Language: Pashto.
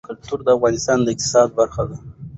کلتور د افغانستان د اقتصاد برخه ده.